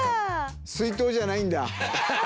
水筒じゃないんだ？